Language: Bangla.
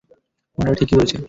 উনারা ঠিকই বলছে।